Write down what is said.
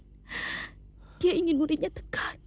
dia tidak ingin muridnya menjadi pengecut